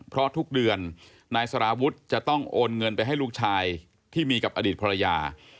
เพราะทุกเดือนนายสารวุฒิจะต้องโอนเงินไปให้ลูกชายที่มีกับอดีตภรรยา